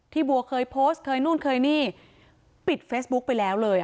บัวเคยโพสต์เคยนู่นเคยนี่ปิดเฟซบุ๊กไปแล้วเลย